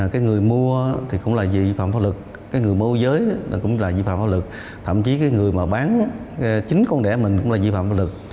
cái người mua thì cũng là dị phạm pháp luật cái người mua ô giới cũng là dị phạm pháp luật thậm chí cái người mà bán chính con đẻ mình cũng là dị phạm pháp luật